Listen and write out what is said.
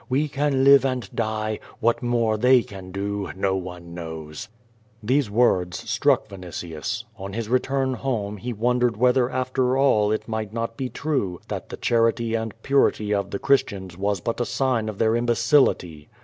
We can live and die, what more they can do no one knows." These words struck Vinitius. On his return home he won dered whether after all it might not be true that the charity and purity of the Christians was but a sign of their imbecility.